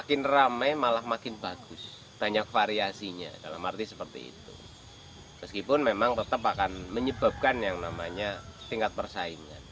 ini akan menyebabkan tingkat persaingan